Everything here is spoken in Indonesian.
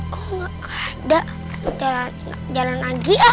kok ngga ada jalan jalan lagi eh